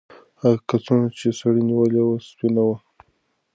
هغه کڅوړه چې سړي نیولې وه سپینه وه.